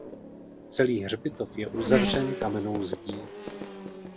Celý hřbitov je uzavřen kamennou zdí.